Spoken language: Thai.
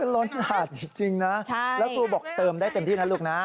ล้นหลาดจริงนะแล้วครูบอกเติมได้เต็มที่นะลูกนะ